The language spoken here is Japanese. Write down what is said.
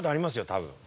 多分。